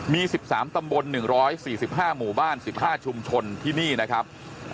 มี๑๓ตำบล๑๔๕หมู่บ้าน๑๕ชุมชนที่นี่นะครับ